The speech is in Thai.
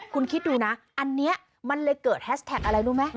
คุณคิดดูนะอันนี้มันเลยเกิดแฮชแท็กอะไรรู้ไหม